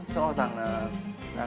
cho rằng là